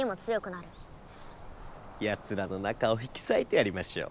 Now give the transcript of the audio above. やつらのなかを引きさいてやりましょう。